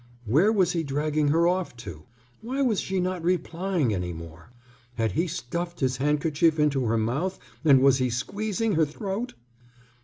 Where was he dragging her off to? Why was she not replying any more? Had he stuffed his hand kerchief into her mouth and was he squeezing her throat?